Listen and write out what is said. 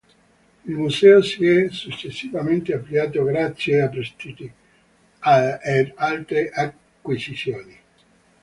Il museo si è successivamente ampliato grazie a prestiti ed altre acquisizioni.